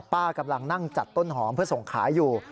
กำลังนั่งจัดต้นหอมเพื่อส่งขายอยู่